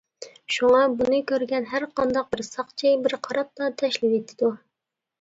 شۇڭا بۇنى كۆرگەن ھەرقانداق بىر ساقچى بىر قاراپلا. تاشلىۋېتىدۇ.